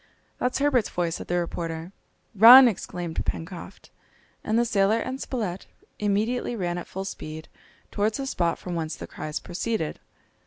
"That's Herbert's voice," said the reporter. "Run!" exclaimed Pencroft. And the sailor and Spilett immediately ran at full speed towards the spot from whence the cries proceeded.